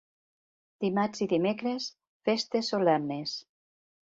Dimarts i dimecres, festes solemnes.